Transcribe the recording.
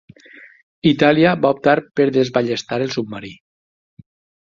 Itàlia va optar per desballestar el submarí.